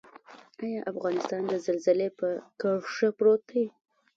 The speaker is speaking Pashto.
آیا افغانستان د زلزلې په کرښه پروت دی؟